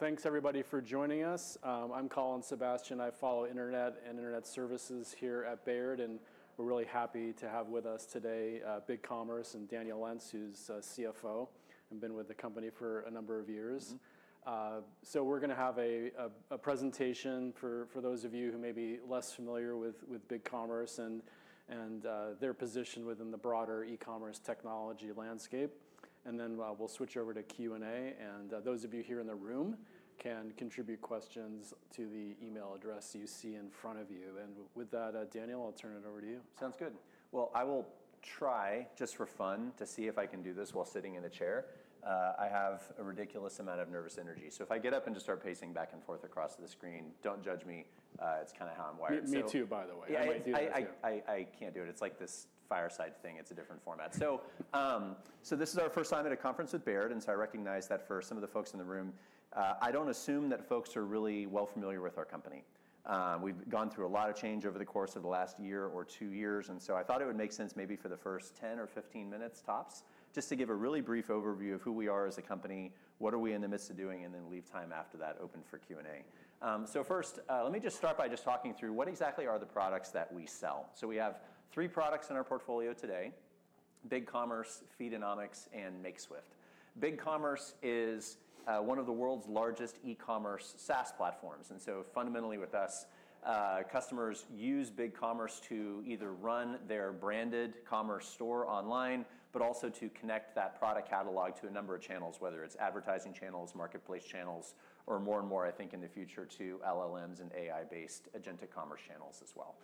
Thanks everybody for joining us. I'm Colin Sebastian. I follow internet and internet services here at Baird, and we're really happy to have with us today BigCommerce and Daniel Lentz, who's CFO and been with the company for a number of years. We're going to have a presentation for those of you who may be less familiar with BigCommerce and their position within the broader e-commerce technology landscape. Then we'll switch over to Q&A. Those of you here in the room can contribute questions to the email address you see in front of you. With that, Daniel, I'll turn it over to you. Sounds good. I will try, just for fun, to see if I can do this while sitting in a chair. I have a ridiculous amount of nervous energy. If I get up and just start pacing back and forth across the screen, don't judge me. It's kind of how I'm wired. Me too, by the way. Yeah, I can't do it. It's like this fireside thing. It's a different format. This is our first time at a conference with Baird, and I recognize that for some of the folks in the room, I don't assume that folks are really well familiar with our company. We've gone through a lot of change over the course of the last year or two years. I thought it would make sense maybe for the first 10 or 15 minutes tops, just to give a really brief overview of who we are as a company, what are we in the midst of doing, and then leave time after that open for Q&A. First, let me just start by just talking through what exactly are the products that we sell. We have three products in our portfolio today: BigCommerce, Feedonomics, and Makeswift. BigCommerce is one of the world's largest e-commerce SaaS platforms. Fundamentally, with us, customers use BigCommerce to either run their branded commerce store online, but also to connect that product catalog to a number of channels, whether it is advertising channels, marketplace channels, or more and more, I think in the future, to LLMs and AI-based agentic commerce channels as well.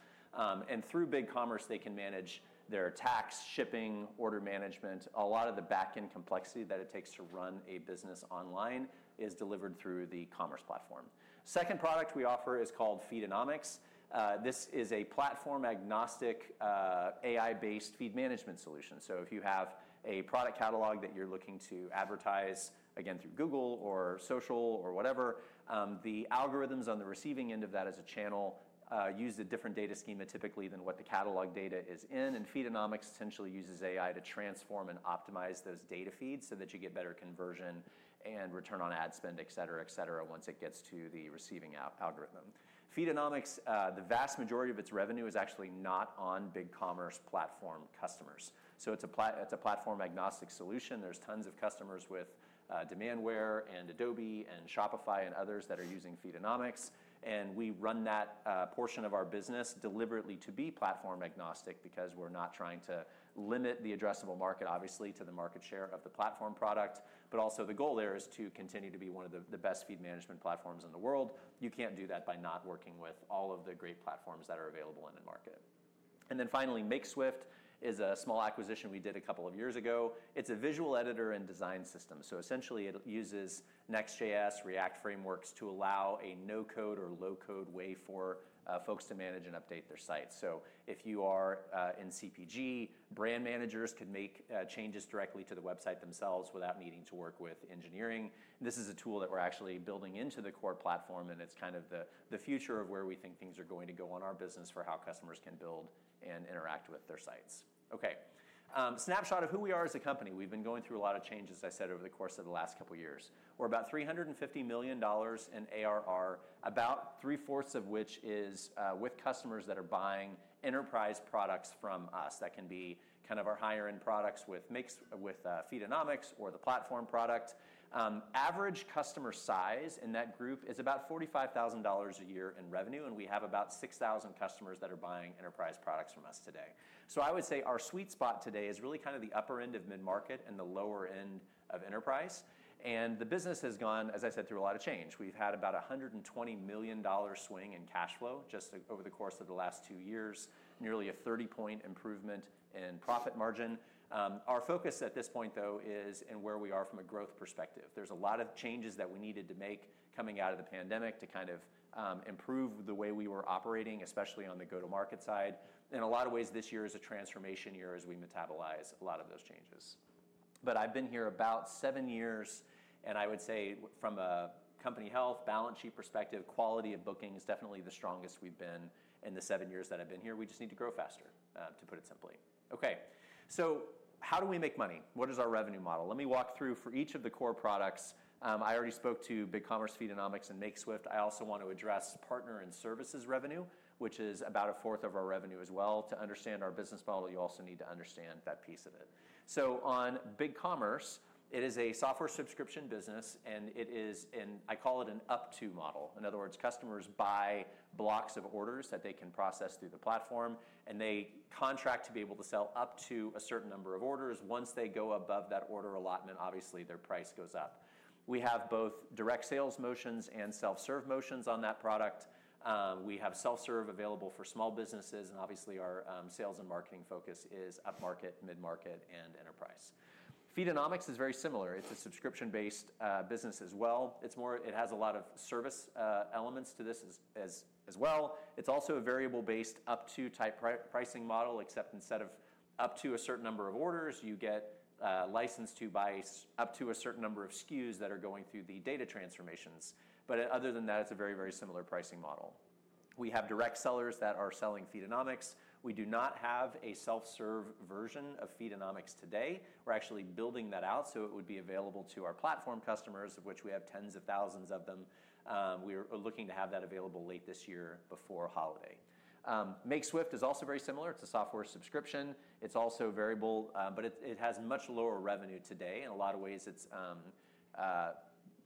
Through BigCommerce, they can manage their tax, shipping, order management. A lot of the backend complexity that it takes to run a business online is delivered through the commerce platform. The second product we offer is called Feedonomics. This is a platform-agnostic, AI-based feed management solution. If you have a product catalog that you're looking to advertise, again, through Google or social or whatever, the algorithms on the receiving end of that as a channel use a different data schema typically than what the catalog data is in. Feedonomics essentially uses AI to transform and optimize those data feeds so that you get better conversion and return on ad spend, et cetera, et cetera, once it gets to the receiving algorithm. Feedonomics, the vast majority of its revenue is actually not on BigCommerce platform customers. It is a platform-agnostic solution. There are tons of customers with Demandware and Adobe and Shopify and others that are using Feedonomics. We run that portion of our business deliberately to be platform-agnostic because we're not trying to limit the addressable market, obviously, to the market share of the platform product. The goal there is to continue to be one of the best feed management platforms in the world. You cannot do that by not working with all of the great platforms that are available in the market. Finally, Makeswift is a small acquisition we did a couple of years ago. It is a visual editor and design system. Essentially, it uses Next.js and React frameworks to allow a no-code or low-code way for folks to manage and update their sites. If you are in CPG, brand managers could make changes directly to the website themselves without needing to work with engineering. This is a tool that we are actually building into the core platform, and it is kind of the future of where we think things are going to go in our business for how customers can build and interact with their sites. OK, snapshot of who we are as a company. We've been going through a lot of changes, as I said, over the course of the last couple of years. We're about $350 million in ARR, about three-fourths of which is with customers that are buying enterprise products from us. That can be kind of our higher-end products with Feedonomics or the platform product. Average customer size in that group is about $45,000 a year in revenue, and we have about 6,000 customers that are buying enterprise products from us today. I would say our sweet spot today is really kind of the upper end of mid-market and the lower end of enterprise. The business has gone, as I said, through a lot of change. We've had about a $120 million swing in cash flow just over the course of the last two years, nearly a 30 point improvement in profit margin. Our focus at this point, though, is in where we are from a growth perspective. There's a lot of changes that we needed to make coming out of the pandemic to kind of improve the way we were operating, especially on the go-to-market side. In a lot of ways, this year is a transformation year as we metabolize a lot of those changes. I've been here about seven years, and I would say from a company health, balance sheet perspective, quality of booking is definitely the strongest we've been in the seven years that I've been here. We just need to grow faster, to put it simply. OK, how do we make money? What is our revenue model? Let me walk through for each of the core products. I already spoke to BigCommerce, Feedonomics, and Makeswift. I also want to address partner and services revenue, which is about a fourth of our revenue as well. To understand our business model, you also need to understand that piece of it. On BigCommerce, it is a software subscription business, and I call it an up-to model. In other words, customers buy blocks of orders that they can process through the platform, and they contract to be able to sell up to a certain number of orders. Once they go above that order allotment, obviously, their price goes up. We have both direct sales motions and self-serve motions on that product. We have self-serve available for small businesses, and obviously, our sales and marketing focus is up-market, mid-market, and enterprise. Feedonomics is very similar. It's a subscription-based business as well. It has a lot of service elements to this as well. It's also a variable-based up-to type pricing model, except instead of up to a certain number of orders, you get licensed to buy up to a certain number of SKUs that are going through the data transformations. Other than that, it's a very, very similar pricing model. We have direct sellers that are selling Feedonomics. We do not have a self-serve version of Feedonomics today. We're actually building that out so it would be available to our platform customers, of which we have tens of thousands of them. We are looking to have that available late this year before holiday. Makeswift is also very similar. It's a software subscription. It's also variable, but it has much lower revenue today. In a lot of ways,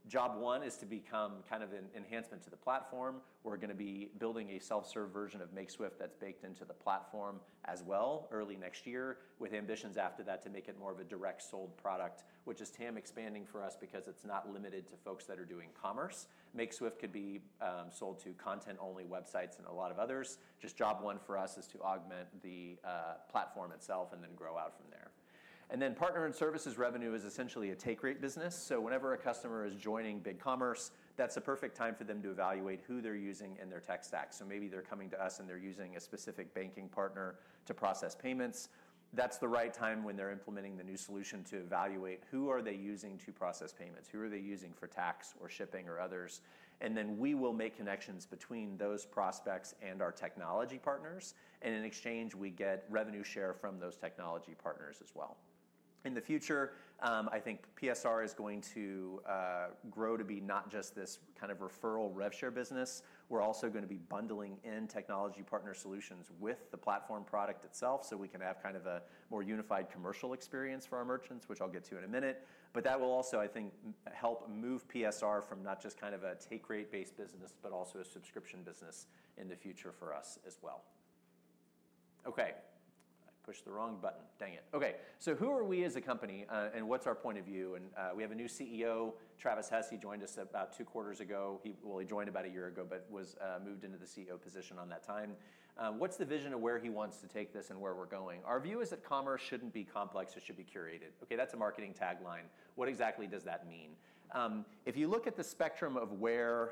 job one is to become kind of an enhancement to the platform. We're going to be building a self-serve version of Makeswift that's baked into the platform as well early next year, with ambitions after that to make it more of a direct sold product, which is, to him, expanding for us because it's not limited to folks that are doing commerce. Makeswift could be sold to content-only websites and a lot of others. Just job one for us is to augment the platform itself and then grow out from there. Partner and services revenue is essentially a take-rate business. Whenever a customer is joining BigCommerce, that's a perfect time for them to evaluate who they're using in their tech stack. Maybe they're coming to us and they're using a specific banking partner to process payments. That's the right time when they're implementing the new solution to evaluate who are they using to process payments, who are they using for tax or shipping or others. We will make connections between those prospects and our technology partners. In exchange, we get revenue share from those technology partners as well. In the future, I think PSR is going to grow to be not just this kind of referral rev share business. We're also going to be bundling in technology partner solutions with the platform product itself so we can have kind of a more unified commercial experience for our merchants, which I'll get to in a minute. That will also, I think, help move PSR from not just kind of a take-rate-based business, but also a subscription business in the future for us as well. OK, I pushed the wrong button. Dang it. OK, so who are we as a company and what's our point of view? We have a new CEO, Travis Hess. He joined us about two quarters ago. He joined about a year ago, but was moved into the CEO position at that time. What's the vision of where he wants to take this and where we're going? Our view is that commerce shouldn't be complex. It should be curated. OK, that's a marketing tagline. What exactly does that mean? If you look at the spectrum of where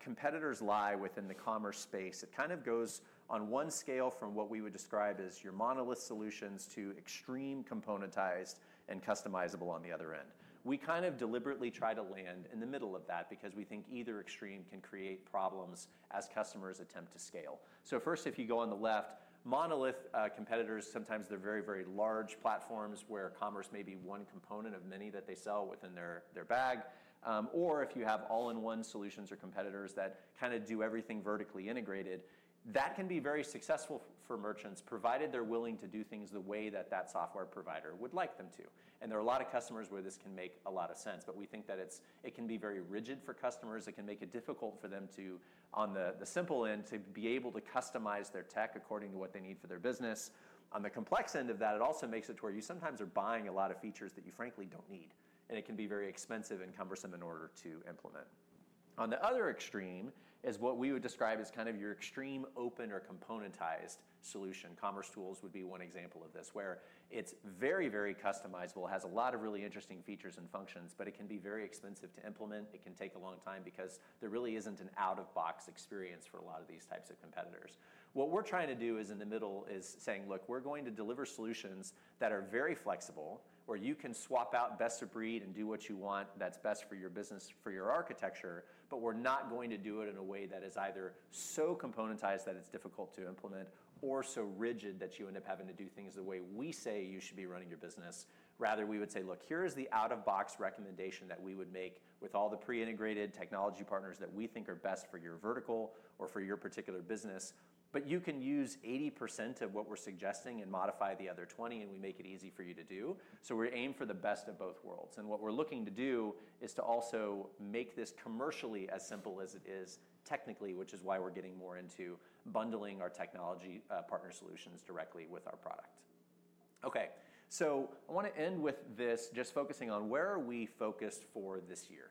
competitors lie within the commerce space, it kind of goes on one scale from what we would describe as your monolith solutions to extreme componentized and customizable on the other end. We kind of deliberately try to land in the middle of that because we think either extreme can create problems as customers attempt to scale. If you go on the left, monolith competitors, sometimes they're very, very large platforms where commerce may be one component of many that they sell within their bag. Or if you have all-in-one solutions or competitors that kind of do everything vertically integrated, that can be very successful for merchants, provided they're willing to do things the way that that software provider would like them to. There are a lot of customers where this can make a lot of sense. We think that it can be very rigid for customers. It can make it difficult for them to, on the simple end, be able to customize their tech according to what they need for their business. On the complex end of that, it also makes it to where you sometimes are buying a lot of features that you, frankly, don't need. It can be very expensive and cumbersome in order to implement. On the other extreme is what we would describe as kind of your extreme open or componentized solution. Commerce Tools would be one example of this, where it is very, very customizable, has a lot of really interesting features and functions, but it can be very expensive to implement. It can take a long time because there really is not an out-of-box experience for a lot of these types of competitors. What we are trying to do in the middle is saying, look, we are going to deliver solutions that are very flexible, where you can swap out best-of-breed and do what you want that is best for your business, for your architecture. We are not going to do it in a way that is either so componentized that it is difficult to implement or so rigid that you end up having to do things the way we say you should be running your business. Rather, we would say, look, here is the out-of-box recommendation that we would make with all the pre-integrated technology partners that we think are best for your vertical or for your particular business. You can use 80% of what we are suggesting and modify the other 20%, and we make it easy for you to do. We aim for the best of both worlds. What we are looking to do is to also make this commercially as simple as it is technically, which is why we are getting more into bundling our technology partner solutions directly with our product. OK, so I want to end with this just focusing on where are we focused for this year.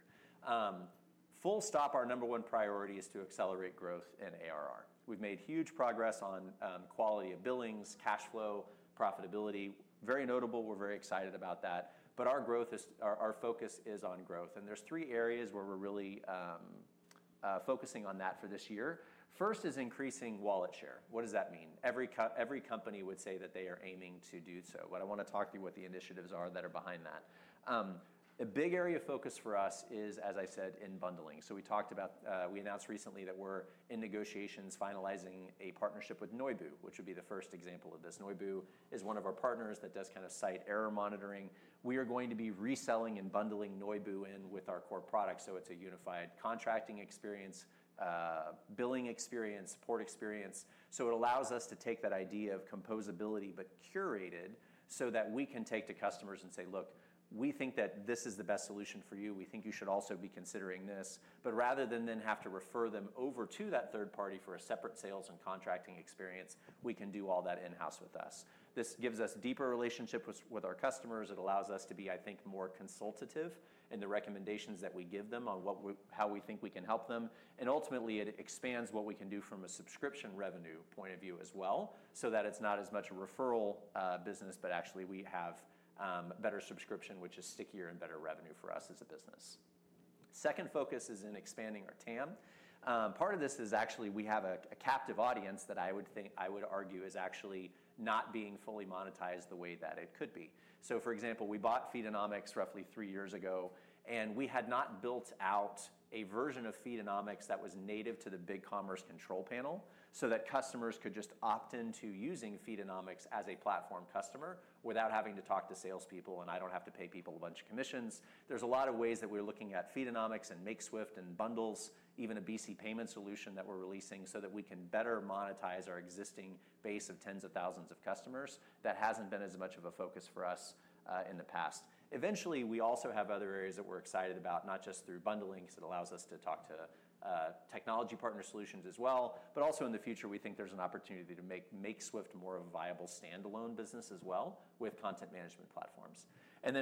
Full stop, our number one priority is to accelerate growth in ARR. We've made huge progress on quality of billings, cash flow, profitability. Very notable. We're very excited about that. Our focus is on growth. There's three areas where we're really focusing on that for this year. First is increasing wallet share. What does that mean? Every company would say that they are aiming to do so. I want to talk through what the initiatives are that are behind that. A big area of focus for us is, as I said, in bundling. We announced recently that we're in negotiations finalizing a partnership with Noibu, which would be the first example of this. Noibu is one of our partners that does kind of site error monitoring. We are going to be reselling and bundling Noibu in with our core product. It is a unified contracting experience, billing experience, support experience. It allows us to take that idea of composability but curated so that we can take to customers and say, look, we think that this is the best solution for you. We think you should also be considering this. Rather than have to refer them over to that third party for a separate sales and contracting experience, we can do all that in-house with us. This gives us a deeper relationship with our customers. It allows us to be, I think, more consultative in the recommendations that we give them on how we think we can help them. Ultimately, it expands what we can do from a subscription revenue point of view as well so that it's not as much a referral business, but actually we have a better subscription, which is stickier and better revenue for us as a business. The second focus is in expanding our TAM. Part of this is actually we have a captive audience that I would argue is actually not being fully monetized the way that it could be. For example, we bought Feedonomics roughly three years ago, and we had not built out a version of Feedonomics that was native to the BigCommerce control panel so that customers could just opt into using Feedonomics as a platform customer without having to talk to salespeople, and I do not have to pay people a bunch of commissions. There's a lot of ways that we are looking at Feedonomics and Makeswift and bundles, even a BC payment solution that we are releasing so that we can better monetize our existing base of tens of thousands of customers. That has not been as much of a focus for us in the past. Eventually, we also have other areas that we are excited about, not just through bundling because it allows us to talk to technology partner solutions as well, but also in the future, we think there is an opportunity to make Makeswift more of a viable standalone business as well with content management platforms.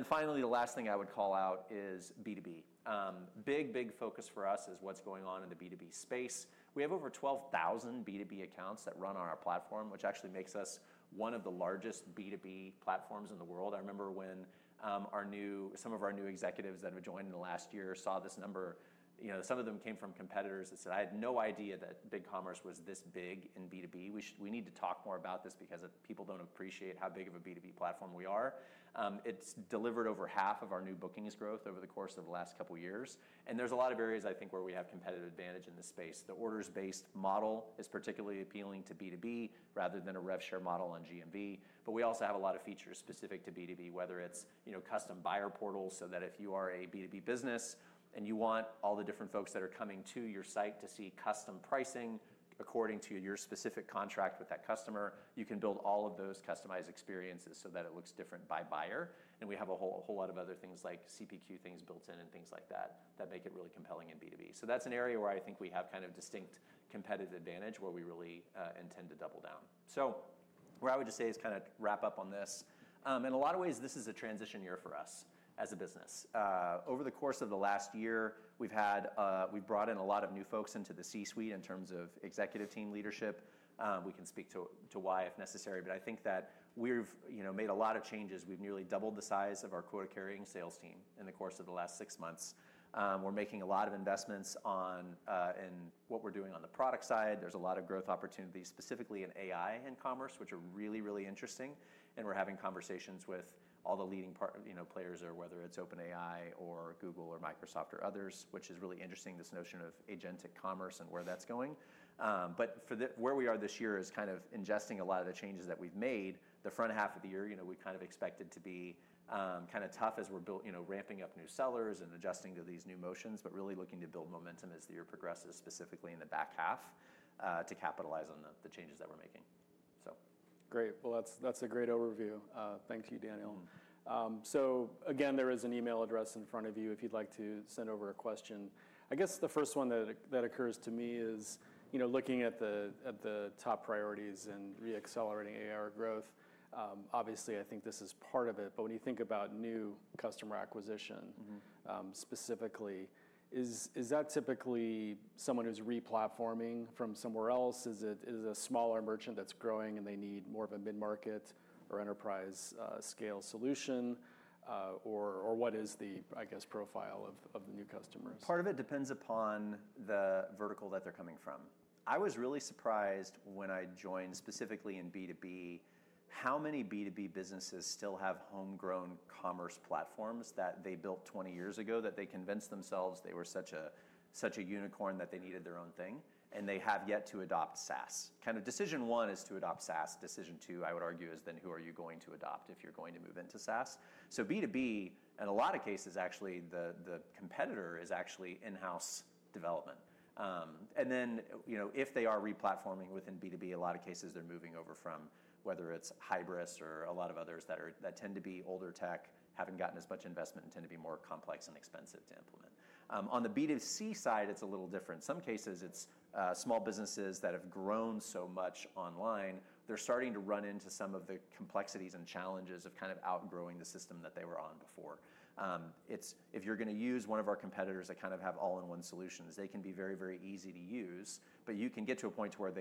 Finally, the last thing I would call out is B2B. Big, big focus for us is what is going on in the B2B space. We have over 12,000 B2B accounts that run on our platform, which actually makes us one of the largest B2B platforms in the world. I remember when some of our new executives that have joined in the last year saw this number. Some of them came from competitors that said, I had no idea that BigCommerce was this big in B2B. We need to talk more about this because people do not appreciate how big of a B2B platform we are. It has delivered over half of our new bookings growth over the course of the last couple of years. There are a lot of areas, I think, where we have competitive advantage in this space. The orders-based model is particularly appealing to B2B rather than a rev share model on GMV. We also have a lot of features specific to B2B, whether it's custom buyer portals so that if you are a B2B business and you want all the different folks that are coming to your site to see custom pricing according to your specific contract with that customer, you can build all of those customized experiences so that it looks different by buyer. We have a whole lot of other things like CPQ things built in and things like that that make it really compelling in B2B. That is an area where I think we have kind of distinct competitive advantage where we really intend to double down. What I would just say is kind of wrap up on this. In a lot of ways, this is a transition year for us as a business. Over the course of the last year, we've brought in a lot of new folks into the C-suite in terms of executive team leadership. We can speak to why if necessary. I think that we've made a lot of changes. We've nearly doubled the size of our quota carrying sales team in the course of the last six months. We're making a lot of investments in what we're doing on the product side. There's a lot of growth opportunities specifically in AI and commerce, which are really, really interesting. We're having conversations with all the leading players there, whether it's OpenAI or Google or Microsoft or others, which is really interesting, this notion of agentic commerce and where that's going. Where we are this year is kind of ingesting a lot of the changes that we've made. The front half of the year, we kind of expected to be kind of tough as we're ramping up new sellers and adjusting to these new motions, but really looking to build momentum as the year progresses, specifically in the back half to capitalize on the changes that we're making. Great. That's a great overview. Thank you, Daniel. Again, there is an email address in front of you if you'd like to send over a question. I guess the first one that occurs to me is looking at the top priorities and re-accelerating ARR growth. Obviously, I think this is part of it. When you think about new customer acquisition specifically, is that typically someone who's re-platforming from somewhere else? Is it a smaller merchant that's growing and they need more of a mid-market or enterprise scale solution? What is the, I guess, profile of the new customers? Part of it depends upon the vertical that they're coming from. I was really surprised when I joined specifically in B2B how many B2B businesses still have homegrown commerce platforms that they built 20 years ago that they convinced themselves they were such a unicorn that they needed their own thing. They have yet to adopt SaaS. Kind of decision one is to adopt SaaS. Decision two, I would argue, is then who are you going to adopt if you're going to move into SaaS? B2B, in a lot of cases, actually the competitor is actually in-house development. If they are re-platforming within B2B, a lot of cases they're moving over from whether it's Hybris or a lot of others that tend to be older tech, haven't gotten as much investment, and tend to be more complex and expensive to implement. On the B2C side, it's a little different. In some cases, it's small businesses that have grown so much online. They're starting to run into some of the complexities and challenges of kind of outgrowing the system that they were on before. If you're going to use one of our competitors that kind of have all-in-one solutions, they can be very, very easy to use. You can get to a point to where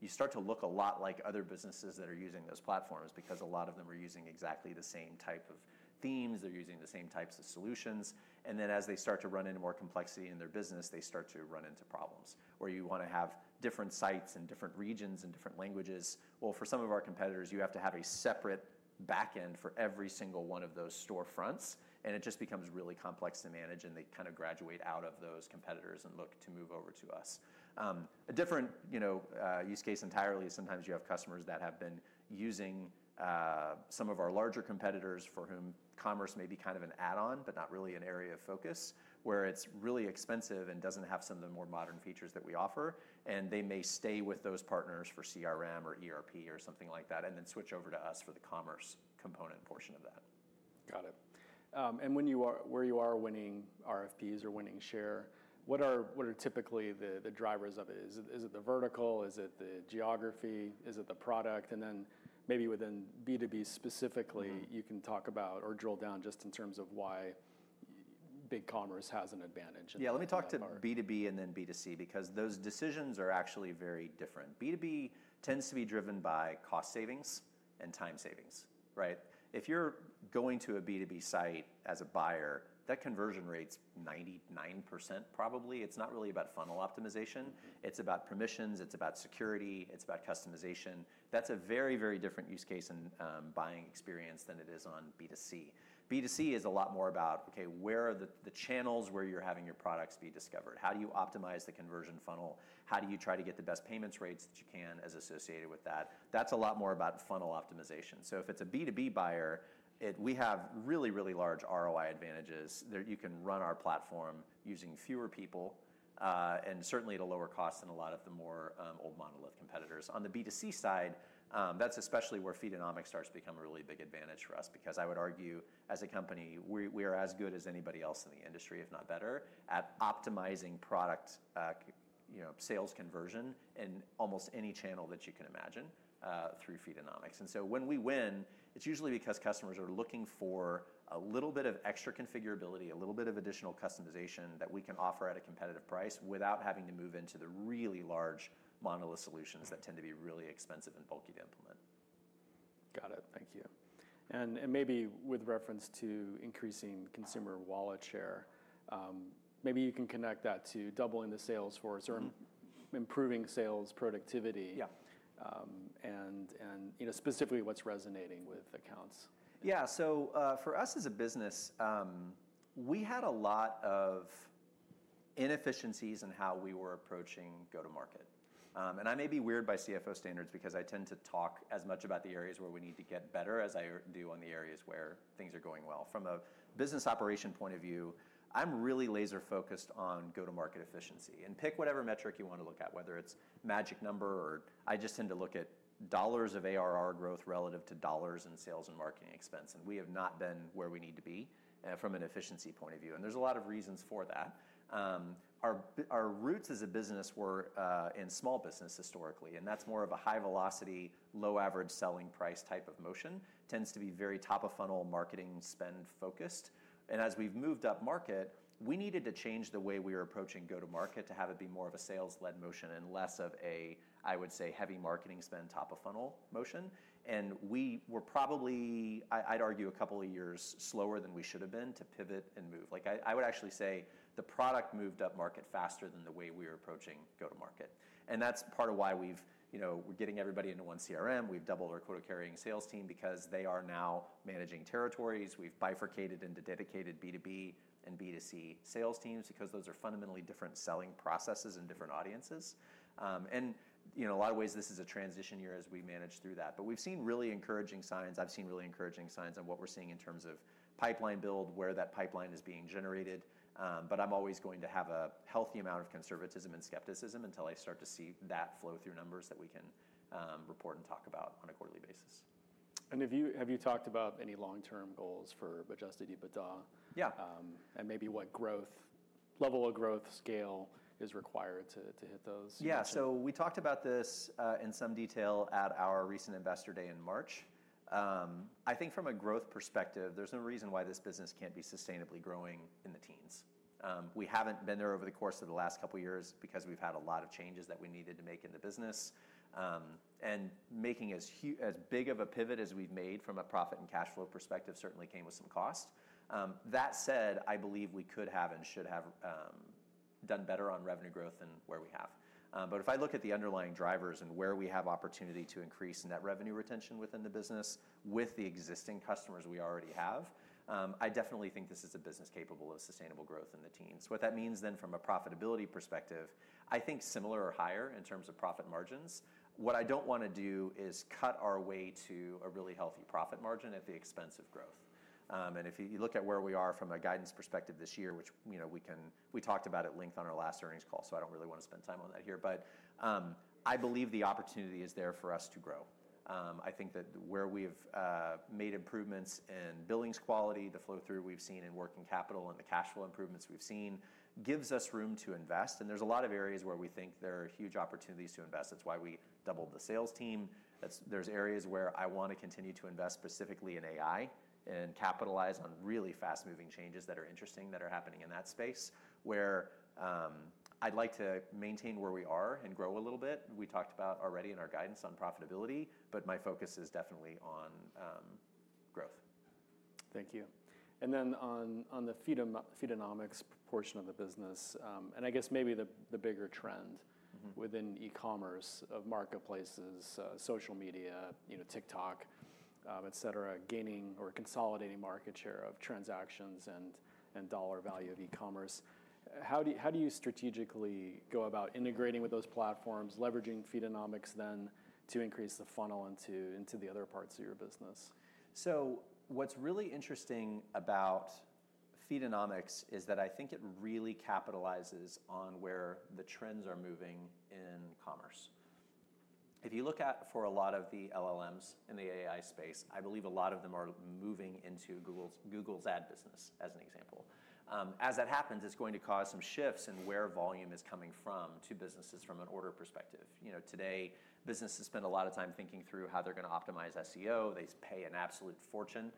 you start to look a lot like other businesses that are using those platforms because a lot of them are using exactly the same type of themes. They're using the same types of solutions. As they start to run into more complexity in their business, they start to run into problems where you want to have different sites and different regions and different languages. For some of our competitors, you have to have a separate back end for every single one of those storefronts. It just becomes really complex to manage. They kind of graduate out of those competitors and look to move over to us. A different use case entirely is sometimes you have customers that have been using some of our larger competitors for whom commerce may be kind of an add-on, but not really an area of focus, where it is really expensive and does not have some of the more modern features that we offer. They may stay with those partners for CRM or ERP or something like that and then switch over to us for the commerce component portion of that. Got it. Where you are winning RFPs or winning share, what are typically the drivers of it? Is it the vertical? Is it the geography? Is it the product? Maybe within B2B specifically, you can talk about or drill down just in terms of why BigCommerce has an advantage. Yeah, let me talk to B2B and then B2C because those decisions are actually very different. B2B tends to be driven by cost savings and time savings. If you're going to a B2B site as a buyer, that conversion rate's 99% probably. It's not really about funnel optimization. It's about permissions. It's about security. It's about customization. That's a very, very different use case and buying experience than it is on B2C. B2C is a lot more about, OK, where are the channels where you're having your products be discovered? How do you optimize the conversion funnel? How do you try to get the best payments rates that you can as associated with that? That's a lot more about funnel optimization. If it is a B2B buyer, we have really, really large ROI advantages that you can run our platform using fewer people and certainly at a lower cost than a lot of the more old monolith competitors. On the B2C side, that is especially where Feedonomics starts to become a really big advantage for us because I would argue as a company, we are as good as anybody else in the industry, if not better, at optimizing product sales conversion in almost any channel that you can imagine through Feedonomics. When we win, it is usually because customers are looking for a little bit of extra configurability, a little bit of additional customization that we can offer at a competitive price without having to move into the really large monolith solutions that tend to be really expensive and bulky to implement. Got it. Thank you. Maybe with reference to increasing consumer wallet share, maybe you can connect that to doubling the sales force or improving sales productivity. Yeah. Specifically what's resonating with accounts? Yeah. For us as a business, we had a lot of inefficiencies in how we were approaching go-to-market. I may be weird by CFO standards because I tend to talk as much about the areas where we need to get better as I do on the areas where things are going well. From a business operation point of view, I'm really laser-focused on go-to-market efficiency. Pick whatever metric you want to look at, whether it's magic number or I just tend to look at dollars of ARR growth relative to dollars in sales and marketing expense. We have not been where we need to be from an efficiency point of view. There are a lot of reasons for that. Our roots as a business were in small business historically. That's more of a high-velocity, low-average selling price type of motion. It tends to be very top-of-funnel marketing spend focused. As we have moved up market, we needed to change the way we were approaching go-to-market to have it be more of a sales-led motion and less of a, I would say, heavy marketing spend top-of-funnel motion. We were probably, I would argue, a couple of years slower than we should have been to pivot and move. I would actually say the product moved up market faster than the way we were approaching go-to-market. That is part of why we are getting everybody into one CRM. We have doubled our quota carrying sales team because they are now managing territories. We have bifurcated into dedicated B2B and B2C sales teams because those are fundamentally different selling processes and different audiences. In a lot of ways, this is a transition year as we manage through that. We have seen really encouraging signs. I've seen really encouraging signs on what we're seeing in terms of pipeline build, where that pipeline is being generated. I'm always going to have a healthy amount of conservatism and skepticism until I start to see that flow through numbers that we can report and talk about on a quarterly basis. Have you talked about any long-term goals for adjusted EBITDA? Yeah. Maybe what level of growth scale is required to hit those? Yeah. So we talked about this in some detail at our recent investor day in March. I think from a growth perspective, there's no reason why this business can't be sustainably growing in the teens. We haven't been there over the course of the last couple of years because we've had a lot of changes that we needed to make in the business. Making as big of a pivot as we've made from a profit and cash flow perspective certainly came with some cost. That said, I believe we could have and should have done better on revenue growth than where we have. If I look at the underlying drivers and where we have opportunity to increase net revenue retention within the business with the existing customers we already have, I definitely think this is a business capable of sustainable growth in the teens. What that means then from a profitability perspective, I think similar or higher in terms of profit margins. What I do not want to do is cut our way to a really healthy profit margin at the expense of growth. If you look at where we are from a guidance perspective this year, which we talked about at length on our last earnings call, I do not really want to spend time on that here. I believe the opportunity is there for us to grow. I think that where we have made improvements in billings quality, the flow through we have seen in working capital, and the cash flow improvements we have seen gives us room to invest. There are a lot of areas where we think there are huge opportunities to invest. That is why we doubled the sales team. There's areas where I want to continue to invest specifically in AI and capitalize on really fast-moving changes that are interesting that are happening in that space where I'd like to maintain where we are and grow a little bit. We talked about already in our guidance on profitability, but my focus is definitely on growth. Thank you. On the Feedonomics portion of the business, and I guess maybe the bigger trend within e-commerce of marketplaces, social media, TikTok, et cetera, gaining or consolidating market share of transactions and dollar value of e-commerce, how do you strategically go about integrating with those platforms, leveraging Feedonomics then to increase the funnel into the other parts of your business? What's really interesting about Feedonomics is that I think it really capitalizes on where the trends are moving in commerce. If you look at for a lot of the LLMs in the AI space, I believe a lot of them are moving into Google's ad business as an example. As that happens, it's going to cause some shifts in where volume is coming from to businesses from an order perspective. Today, businesses spend a lot of time thinking through how they're going to optimize SEO. They pay an absolute fortune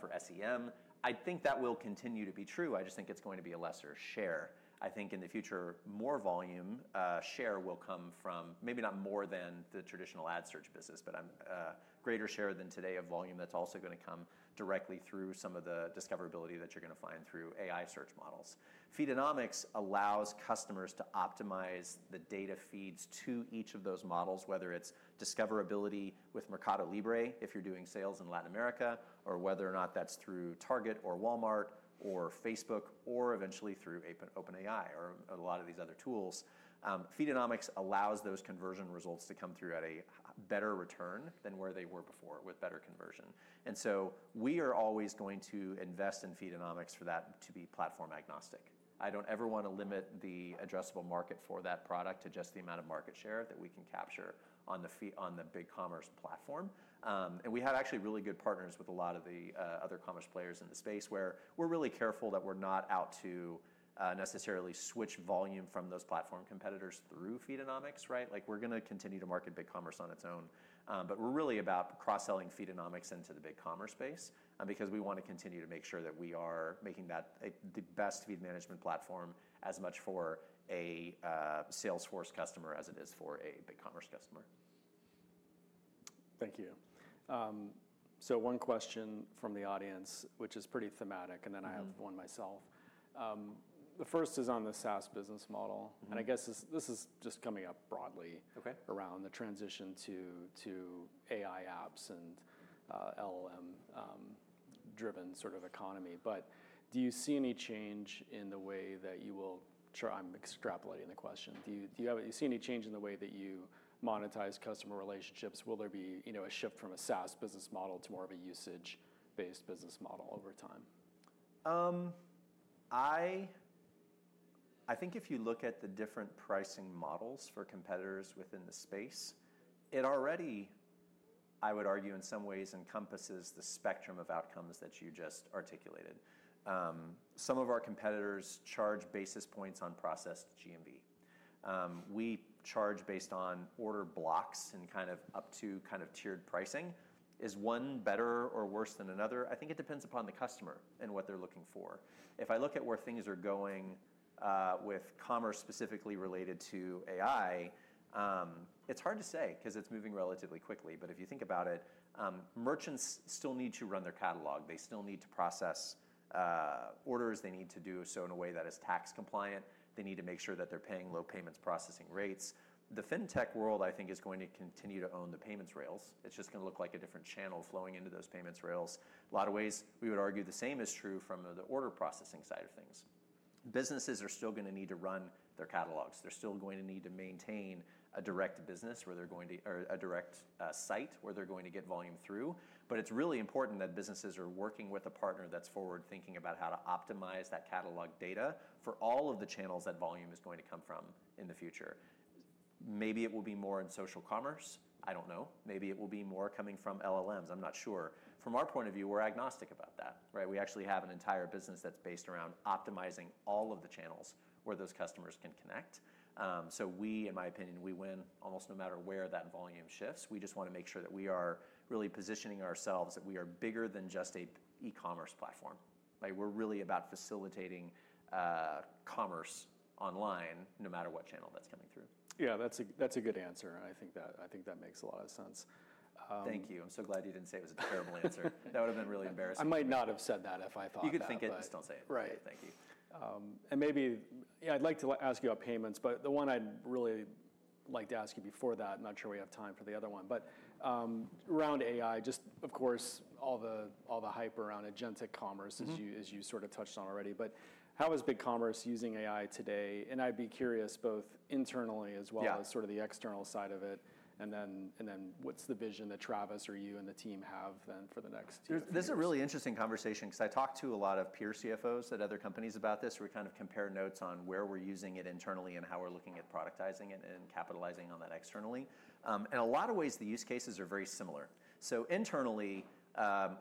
for SEM. I think that will continue to be true. I just think it's going to be a lesser share. I think in the future, more volume share will come from maybe not more than the traditional ad search business, but a greater share than today of volume that's also going to come directly through some of the discoverability that you're going to find through AI search models. Feedonomics allows customers to optimize the data feeds to each of those models, whether it's discoverability with Mercado Libre if you're doing sales in Latin America, or whether or not that's through Target or Walmart or Facebook or eventually through OpenAI or a lot of these other tools. Feedonomics allows those conversion results to come through at a better return than where they were before with better conversion. We are always going to invest in Feedonomics for that to be platform agnostic. I do not ever want to limit the addressable market for that product to just the amount of market share that we can capture on the BigCommerce platform. We have actually really good partners with a lot of the other commerce players in the space where we are really careful that we are not out to necessarily switch volume from those platform competitors through Feedonomics. We are going to continue to market BigCommerce on its own. We are really about cross-selling Feedonomics into the BigCommerce space because we want to continue to make sure that we are making that the best feed management platform as much for a Salesforce customer as it is for a BigCommerce customer. Thank you. One question from the audience, which is pretty thematic, and then I have one myself. The first is on the SaaS business model. I guess this is just coming up broadly around the transition to AI apps and LLM-driven sort of economy. Do you see any change in the way that you will—I am extrapolating the question. Do you see any change in the way that you monetize customer relationships? Will there be a shift from a SaaS business model to more of a usage-based business model over time? I think if you look at the different pricing models for competitors within the space, it already, I would argue, in some ways encompasses the spectrum of outcomes that you just articulated. Some of our competitors charge basis points on processed GMV. We charge based on order blocks and kind of up to kind of tiered pricing. Is one better or worse than another? I think it depends upon the customer and what they're looking for. If I look at where things are going with commerce specifically related to AI, it's hard to say because it's moving relatively quickly. If you think about it, merchants still need to run their catalog. They still need to process orders. They need to do so in a way that is tax compliant. They need to make sure that they're paying low payments processing rates. The fintech world, I think, is going to continue to own the payments rails. It's just going to look like a different channel flowing into those payments rails. In a lot of ways, we would argue the same is true from the order processing side of things. Businesses are still going to need to run their catalogs. They're still going to need to maintain a direct business or a direct site where they're going to get volume through. It is really important that businesses are working with a partner that's forward-thinking about how to optimize that catalog data for all of the channels that volume is going to come from in the future. Maybe it will be more in social commerce. I don't know. Maybe it will be more coming from LLMs. I'm not sure. From our point of view, we're agnostic about that. We actually have an entire business that's based around optimizing all of the channels where those customers can connect. In my opinion, we win almost no matter where that volume shifts. We just want to make sure that we are really positioning ourselves that we are bigger than just an e-commerce platform. We're really about facilitating commerce online no matter what channel that's coming through. Yeah, that's a good answer. I think that makes a lot of sense. Thank you. I'm so glad you didn't say it was a terrible answer. That would have been really embarrassing. I might not have said that if I thought that. You could think it. I just don't say it. Right. Thank you. Maybe I'd like to ask you about payments. The one I'd really like to ask you before that, I'm not sure we have time for the other one. Around AI, just of course, all the hype around agentic commerce, as you sort of touched on already. How is BigCommerce using AI today? I'd be curious both internally as well as sort of the external side of it. Then what's the vision that Travis or you and the team have for the next year? This is a really interesting conversation because I talked to a lot of peer CFOs at other companies about this. We kind of compare notes on where we're using it internally and how we're looking at productizing it and capitalizing on that externally. In a lot of ways, the use cases are very similar. Internally,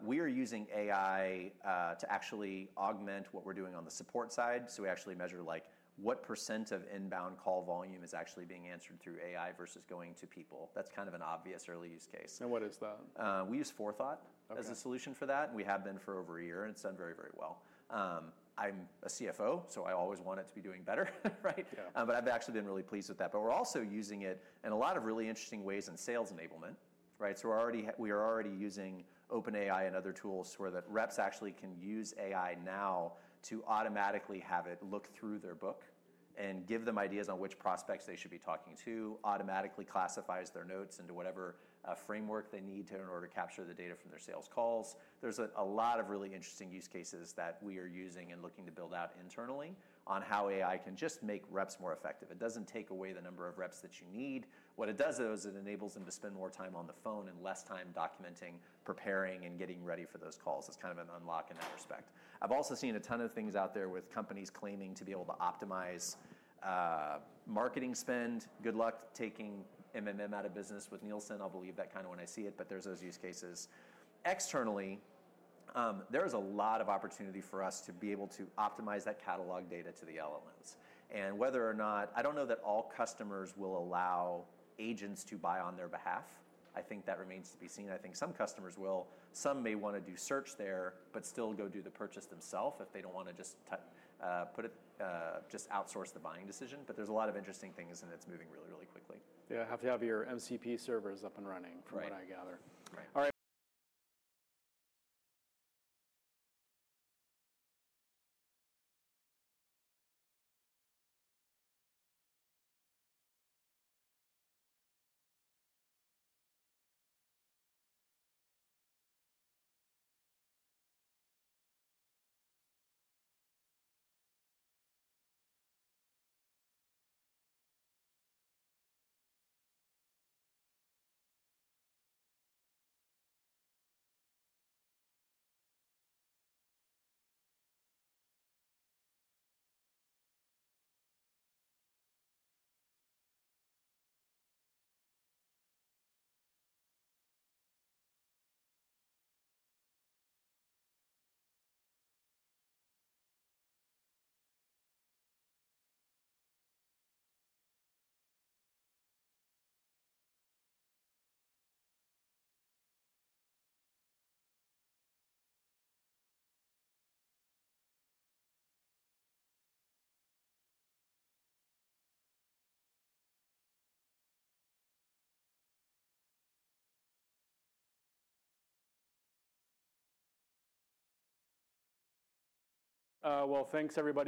we are using AI to actually augment what we're doing on the support side. We actually measure what % of inbound call volume is actually being answered through AI versus going to people. That's kind of an obvious early use case. What is that? We use Forethought as a solution for that. We have been for over a year, and it's done very, very well. I'm a CFO, so I always want it to be doing better. I've actually been really pleased with that. We're also using it in a lot of really interesting ways in sales enablement. We are already using OpenAI and other tools where the reps actually can use AI now to automatically have it look through their book and give them ideas on which prospects they should be talking to, automatically classifies their notes into whatever framework they need in order to capture the data from their sales calls. There are a lot of really interesting use cases that we are using and looking to build out internally on how AI can just make reps more effective. It doesn't take away the number of reps that you need. What it does is it enables them to spend more time on the phone and less time documenting, preparing, and getting ready for those calls. It's kind of an unlock in that respect. I've also seen a ton of things out there with companies claiming to be able to optimize marketing spend. Good luck taking out of business with Nielsen. I'll believe that kind of when I see it. There's those use cases. Externally, there is a lot of opportunity for us to be able to optimize that catalog data to the LLMs. Whether or not I don't know that all customers will allow agents to buy on their behalf. I think that remains to be seen. I think some customers will. Some may want to do search there, but still go do the purchase themselves if they don't want to just outsource the buying decision. There are a lot of interesting things, and it's moving really, really quickly. Yeah, have your MCP servers up and running from what I gather. All right. Thanks, everyone.